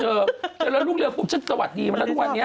เจริญรุ่งเรืองปุ๊บสวัสดีมาละทุกวันเนี่ย